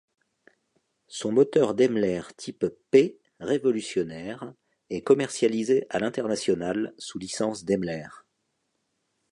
Son moteur Daimler Type P révolutionnaire, est commercialisé à l’international sous licences Daimler.